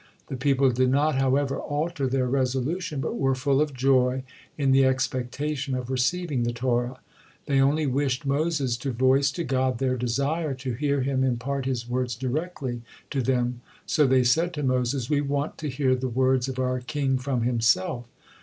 The people did not, however, alter their resolution, but were full of joy in the expectation of receiving the Torah. They only wished Moses to voice to God their desire to hear Him impart His words directly to them, so they said to Moses, "We want to hear the words of our King from Himself."